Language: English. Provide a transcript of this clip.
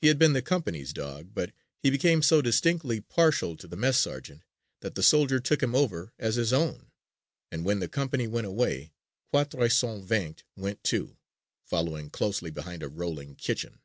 He had been the company's dog but he became so distinctly partial to the mess sergeant that the soldier took him over as his own and when the company went away Quatre Cent Vingt went too, following closely behind a rolling kitchen.